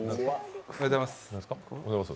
おはようございます。